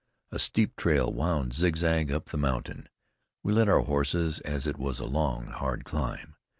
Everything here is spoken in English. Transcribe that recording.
A steep trail wound zigzag up the mountain We led our horses, as it was a long, hard climb.